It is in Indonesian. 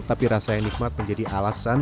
tapi rasa enikmat menjadi alasan